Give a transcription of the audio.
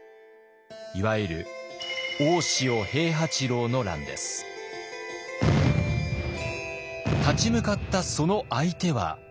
いわゆる立ち向かったその相手は。